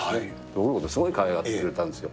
僕のことすごいかわいがってくれたんですよ。